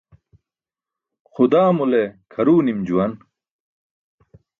Xudaamule kʰaruw nim juwan.